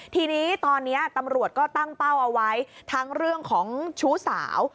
ทีนี้ตอนนี้ตำรวจก็ตั้งเป้าเอาไว้ทั้งเรื่องของชู้สาว